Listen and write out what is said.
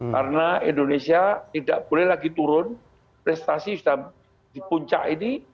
karena indonesia tidak boleh lagi turun prestasi sudah di puncak ini